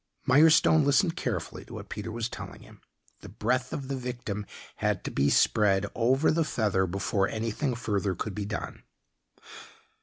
Mirestone listened carefully to what Peter was telling him. The breath of the victim had to be spread over the feather before anything further could be done.